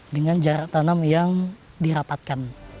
dengan jarak tanam yang dirapatkan